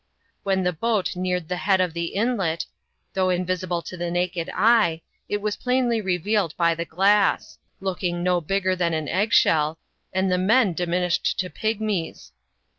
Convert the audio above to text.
When the boat neared the head of the inlet, though invisible to the naked eye, it was plainly reyealed by the glass ; looking no bigger than an egg shell, and the men diminished to pig mies.